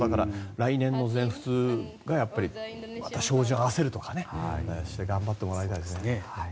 来年の全仏にまた照準を合わせるとかして頑張ってもらいたいですね。